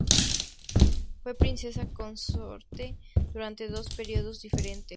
Fue princesa consorte durante dos periodos diferentes.